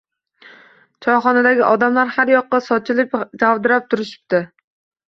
Choyxonadagi odamlar har yoqqa sochilib-javdirab turishipti.